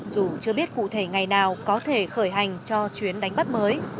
dù chưa biết cụ thể ngày nào có thể khởi hành cho chuyến đánh bắt mới